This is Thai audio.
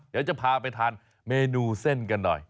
เดี๋ยวจะพาไปทานเมนูเส้นกันหน่อย